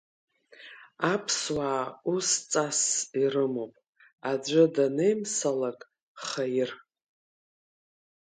Аԥсуаа ус ҵасс ирымоуп, аӡәы данеимсалак хаир!